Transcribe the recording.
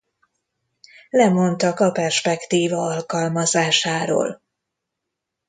Lemondtak a perspektíva alkalmazásáról.